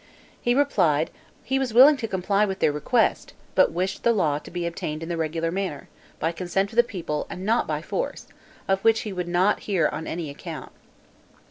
He replied, he was willing to comply with their request, but wished the law to be obtained in the regular manner, by consent of the people, and not by force, of which he would not hear on any account.